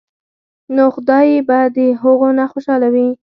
نو خدائے به د هغو نه خوشاله وي ـ